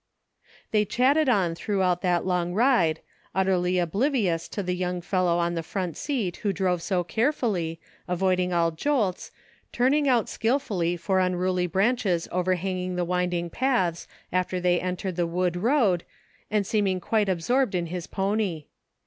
They chatted on throughout that long ride, utterly oblivious of the young fellow in the front seat who drove so carefully, avoiding all jolts, turning out skillfully for unruly branches over hanging the winding paths, after they entered the wood road, and seeming quite absorbed in his pony.